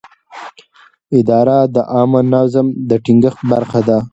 اداره د عامه نظم د ټینګښت برخه ده.